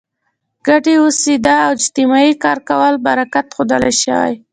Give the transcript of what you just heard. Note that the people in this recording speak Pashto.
ګډې اوسېدا او اجتماعي کار کولو برکت ښودل شوی.